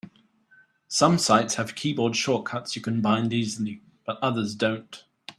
Some sites have keyboard shortcuts you can bind easily, but others don't.